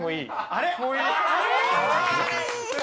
あれ？